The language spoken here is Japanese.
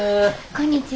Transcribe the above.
こんにちは。